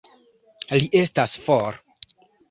Li estas for.